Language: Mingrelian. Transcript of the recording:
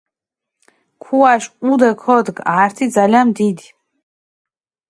ქუაშ ჸუდე ქოდგჷ ართი ძალამ დიდი.